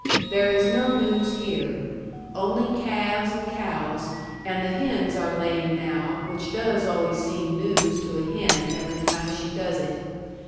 There is no news here. Only calves and cows and the hens are laying now which does always seem news to a hen every time she does it.